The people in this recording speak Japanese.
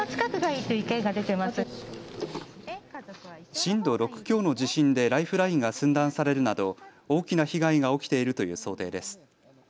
震度６強の地震でライフラインが寸断されるなど大きな被害が起きているという想定です。